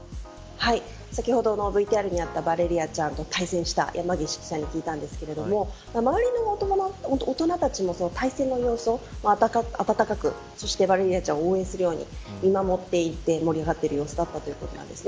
先ほどのＶＴＲにあったバレリアちゃんと対戦した山岸記者に聞いたんですが周りの大人たちも対戦の様子を温かく、バレリアちゃんを応援するように見守っていて盛り上がっている様子だったということです。